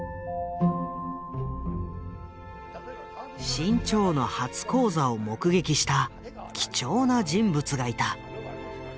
志ん朝の初高座を目撃した貴重な人物がいた。